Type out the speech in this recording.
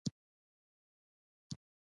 د انتقادي شعور و متن اساس دی.